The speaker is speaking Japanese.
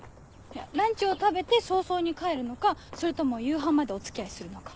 ランチを食べて早々に帰るのかそれとも夕飯までお付き合いするとか。